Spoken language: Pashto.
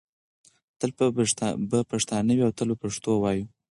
تل به پښتانه وي او تل به پښتو وي.